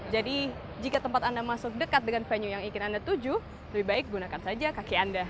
jadi jika tempat anda masuk dekat dengan venue yang ingin anda tuju lebih baik gunakan saja kaki anda